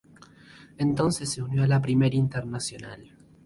Entonces, se unió a la Primera Internacional.